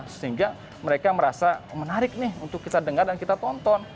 sehingga mereka merasa menarik nih untuk kita dengar dan kita tonton